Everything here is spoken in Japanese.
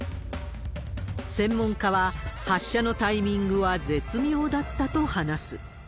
専門家は、発射のタイミングは絶妙だったと話す。